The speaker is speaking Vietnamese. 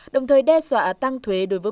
đồng thời đe dọa tăng thuế đối với